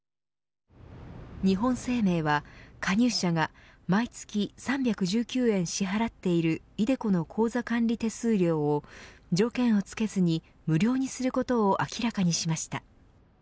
日本生命は、加入者が毎月３１９円支払っているｉＤｅＣｏの口座管理手数料を条件をつけずに無料にすることを明らかにしました。